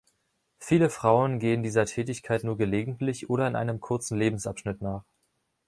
Viele Frauen gehen dieser Tätigkeit nur gelegentlich oder in einem kurzen Lebensabschnitt nach.